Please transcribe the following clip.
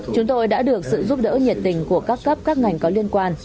chúng tôi đã được sự giúp đỡ nhiệt tình của các cấp các ngành có liên quan